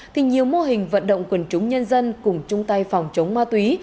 thì nhiều mô hình vận động quần chúng nhân dân cùng chung tay phòng chống ma túy